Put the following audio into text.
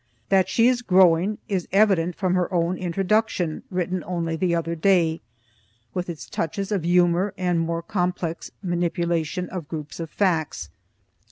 That she is growing, is evident from her own Introduction, written only the other day, with its touches of humor and more complex manipulation of groups of facts.